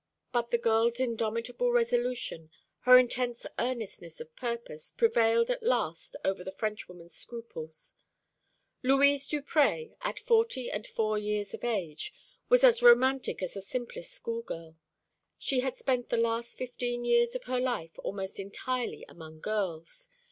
But the girl's indomitable resolution, her intense earnestness of purpose, prevailed at last over the Frenchwoman's scruples. Louise Duprez, at four and forty years of age, was as romantic as the simplest schoolgirl. She had spent the last fifteen years of her life almost entirely among girls.